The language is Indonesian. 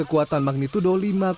berkekuatan magnitudo lima sembilan